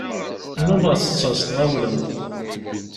Nnumeɣ tetteɣ s tɣawla.